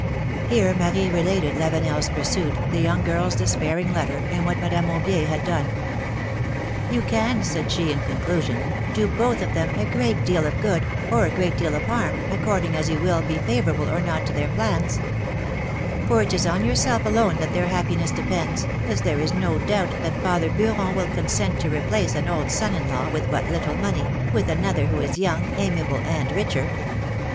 Here Marie related Lavenel's pursuit, the young girl's despairing letter, and what Madame Aubier had done. You can," said she, in conclusion, ^Mo both of them a great deal of good, or a great deal of harm, according as you will be favorable or not to their plans. 278 PHILOMi:NE^S MARRIAGES. For it is on yourself alone that their happiness depends, as there is no doubt that father Bcuron will consent to replace an old son in law, with but little money, with another who is young, amiable and richer.